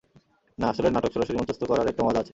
না, আসলে নাটক সরাসরি মঞ্চস্থ করার একটা মজা আছে।